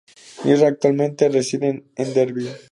Mishra actualmente reside en Derby.